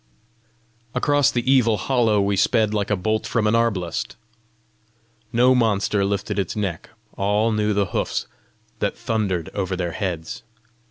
Across the evil hollow we sped like a bolt from an arblast. No monster lifted its neck; all knew the hoofs that thundered over their heads!